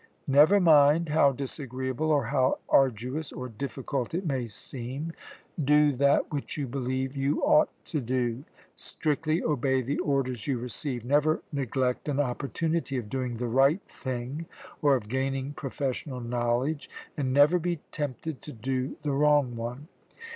Never mind how disagreeable or how arduous or difficult it may seem, do that which you believe you ought to do, strictly obey the orders you receive, never neglect an opportunity of doing the right thing or of gaining professional knowledge, and never be tempted to do the wrong one.